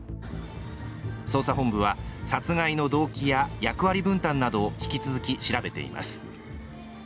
捜査本部は、殺害の動機や役割分担などを引き続き調べています。